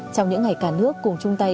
trong những ngày cả nước cùng chung tay